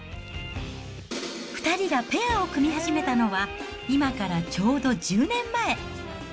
２人がペアを組み始めたのは、今からちょうど１０年前。